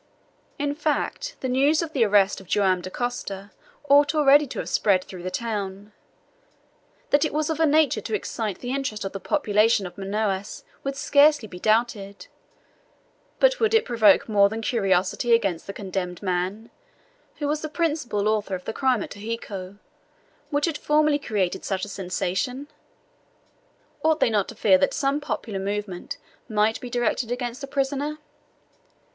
In fact, the news of the arrest of Joam Dacosta ought already to have spread through the town. That it was of a nature to excite the interest of the population of Manaos could scarcely be doubted. But would it provoke more than curiosity against the condemned man, who was the principal author of the crime of Tijuco, which had formerly created such a sensation? Ought they not to fear that some popular movement might be directed against the prisoner?